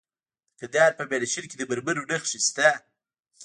د کندهار په میانشین کې د مرمرو نښې شته.